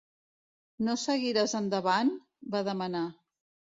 "No seguiràs endavant?" va demanar.